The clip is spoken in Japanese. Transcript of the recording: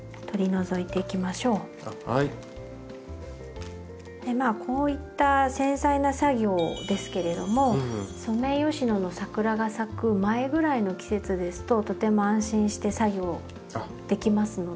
まあこういった繊細な作業ですけれどもソメイヨシノの桜が咲く前ぐらいの季節ですととても安心して作業できますので。